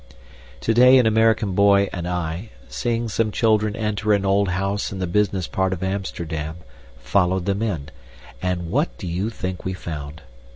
Today an American boy and I, seeing some children enter an old house in the business part of Amsterdam, followed them in and what do you think we found?